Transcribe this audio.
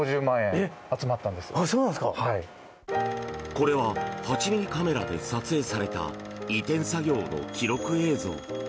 こちらは８ｍｍカメラで撮影された移転作業の記録映像。